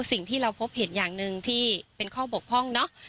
สิ่งที่เราพบเห็นอย่างหนึ่งที่เป็นข้อบกพร่องเนอะ